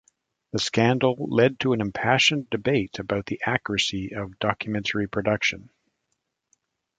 The scandal led to an impassioned debate about the accuracy of documentary production.